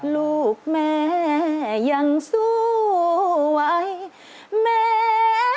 ลูกแม่ยังสวยแม่